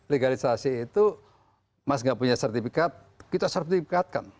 legalisasi itu mas gak punya sertifikat kita sertifikatkan